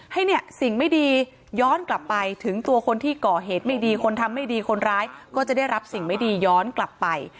ให้เนี่ยสิ่งไม่ดีย้อนกลับไปถึงตัวคนที่ก่อเหตุไม่ดีคนทำไม่ดีคนร้ายก็จะได้รับสิ่งไม่ดีย้อนกลับไป